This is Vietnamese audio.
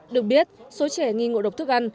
được biết số trẻ nghi ngộ độc thức ăn